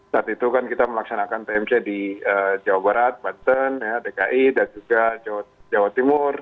saat itu kan kita melaksanakan tmc di jawa barat banten dki dan juga jawa timur